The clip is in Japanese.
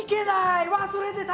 忘れてた！